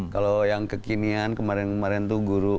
kalau yang kekinian kemarin kemarin tuh guru